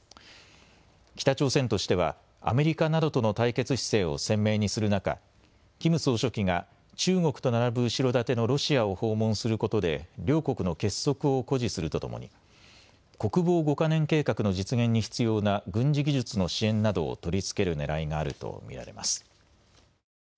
北朝鮮としてはアメリカなどとの対決姿勢を鮮明にする中、キム総書記が中国と並ぶ後ろ盾のロシアを訪問することで両国の結束を誇示するとともに国防５か年計画の実現に必要な軍事技術の支援などを取りつけるねらいがあると見られます。